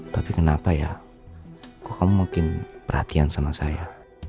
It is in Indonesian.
tapi kenapa ya kok kamu mungkin perhatian sama saya